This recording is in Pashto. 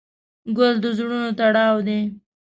ګل د زړونو تړاو دی.